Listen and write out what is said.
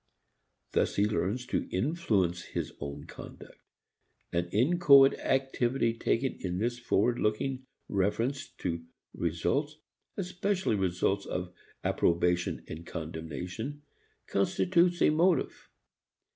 Thus he learns to influence his own conduct. An inchoate activity taken in this forward looking reference to results, especially results of approbation and condemnation, constitutes a motive.